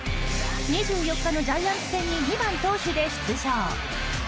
２４日のジャイアンツ戦に２番投手で出場。